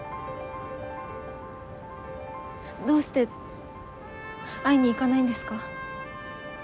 どうして会いに行かないんですか？